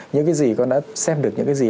những cái gì con đã xem được những cái gì